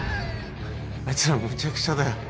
あいつらむちゃくちゃだよ。